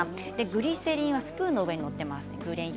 グリセリンがスプーンに載っています。